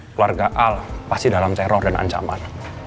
keluarga al pasti dalam teror dan ancaman